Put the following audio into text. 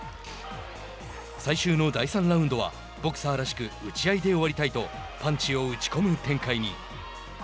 最終の第３ラウンドはボクサーらしく打ち合いで終わりたいとパンチを打ち込む展開に。